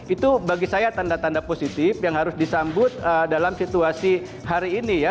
itu bagi saya tanda tanda positif yang harus disambut dalam situasi hari ini ya